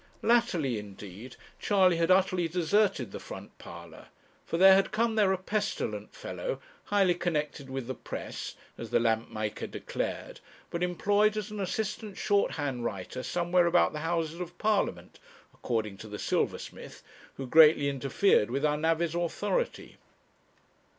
Latterly, indeed, Charley had utterly deserted the front parlour; for there had come there a pestilent fellow, highly connected with the Press, as the lamp maker declared, but employed as an assistant shorthand writer somewhere about the Houses of Parliament, according to the silversmith, who greatly interfered with our navvy's authority.